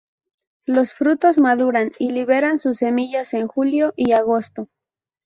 Los frutos maduran y liberan sus semillas en julio y agosto.